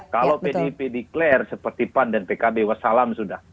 kalau pdip declare seperti pan dan pkb wassalam sudah